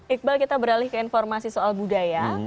iqbal kita beralih ke informasi soal budaya